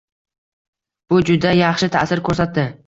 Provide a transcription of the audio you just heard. Bu juda yaxshi ta'sir ko'rsatdi